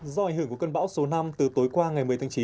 do ảnh hưởng của cơn bão số năm từ tối qua ngày một mươi tháng chín